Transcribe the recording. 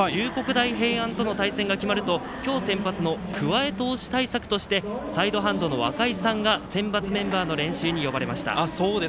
大平安との対戦が決まると今日先発の桑江投手対策としてサイドハンドのわかいさんが練習に呼ばれました。